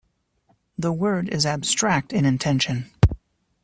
The word is abstract in intention.